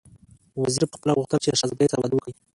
وزیر پخپله غوښتل چې له شهزادګۍ سره واده وکړي.